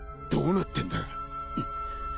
どうなってんだ？